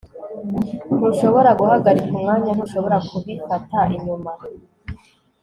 Ntushobora guhagarika umwanya ntushobora kubifata inyuma